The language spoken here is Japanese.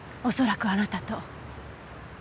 恐らくあなたと。